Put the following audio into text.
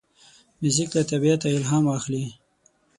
موزیک له طبیعته الهام اخلي.